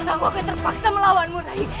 aku akan terpaksa melawanmu nanti